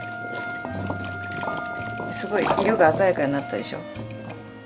すごい色が鮮やかになったでしょ。